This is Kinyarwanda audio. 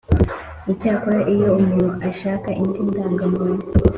Icyakora iyo umuntu ashaka indi ndangamuntu